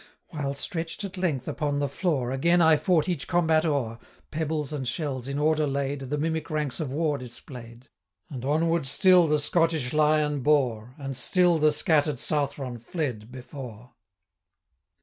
While stretch'd at length upon the floor, Again I fought each combat o'er, Pebbles and shells, in order laid, The mimic ranks of war display'd; 205 And onward still the Scottish Lion bore, And still the scattered Southron fled before.